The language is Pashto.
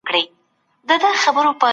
سم نیت ځواک نه کموي.